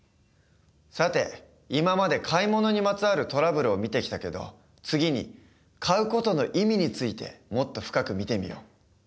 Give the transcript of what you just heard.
さて今まで買い物にまつわるトラブルを見てきたけど次に買う事の意味についてもっと深く見てみよう。